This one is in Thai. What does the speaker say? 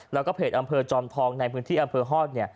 แล้วก็เพจอำเภอจอมทองในพื้นที่อำเภอฮอต